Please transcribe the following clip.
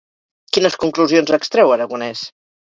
Quines conclusions extreu Aragonès?